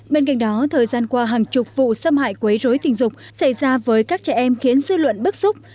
bên cạnh đó thời gian qua hàng chục vụ xâm hại quấy rối tình dục xảy ra với các trẻ em khiến dư luận bức xúc